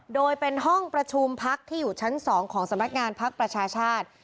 โดยเป็นห้องประชุมภักดิ์ที่อยู่ชั้น๒ของสมัครงานภักดิ์ประชาชาติ